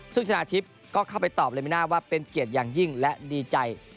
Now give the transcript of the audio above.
ซึ่งชนะทิพย์ก็เข้าไปตอบเลยไม่น่าว่าเป็นเกียรติอย่างยิ่งและดีใจ